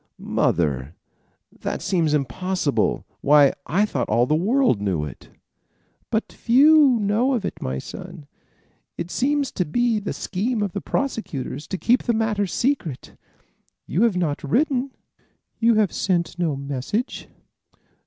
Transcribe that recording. "Mother, that seems impossible. Why, I thought all the world knew it." "But few know of it, my son. It seems to be the scheme of the prosecution to keep the matter secret. You have not written. You have sent no message?"